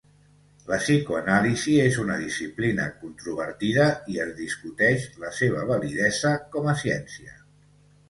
La psicoanàlisi és una disciplina controvertida, i es discuteix la seva validesa com a ciència.